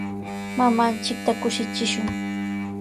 Mamanchikta kushichishun.